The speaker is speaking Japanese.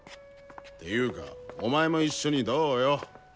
ていうかお前も一緒にどうよ？